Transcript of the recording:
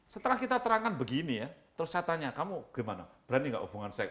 setelah kita terangkan begini ya terus saya tanya kamu gimana berani gak hubungan saya